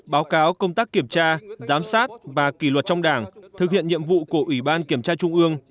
báo cáo công tác kiểm tra giám sát và kỷ luật trong đảng thực hiện nhiệm vụ của ủy ban kiểm tra trung ương